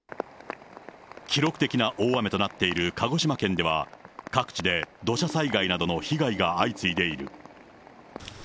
記録的な大雨となっている鹿児島県では、各地で土砂災害などの被害が相次いでいる。